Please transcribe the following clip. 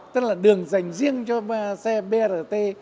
tức là đường dành riêng cho xe brt